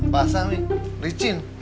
basah mi licin